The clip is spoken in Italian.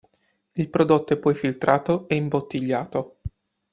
Il prodotto è poi filtrato e imbottigliato.